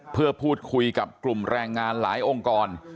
เพื่อพูดคุยกับกลุ่มแรงงานหลายองค์กร